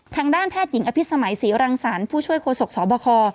ทางด้านแพทย์หญิงอภิษมัยศรีรังสรรค์ผู้ช่วยโฆษกสบค